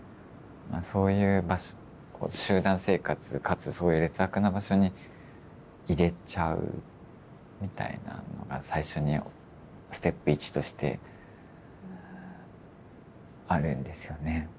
そういう集団生活かつそういう劣悪な場所に入れちゃうみたいなのが最初にステップ１としてあるんですよね。